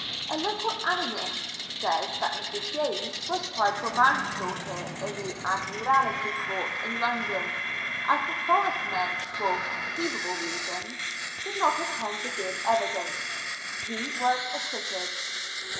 A local annaHst says that Mr. James was tried for manslaughter in the Admiralty Court in London, and as the Forest men (for conceivable reasons) did not attend to give evidence, he was acquitted.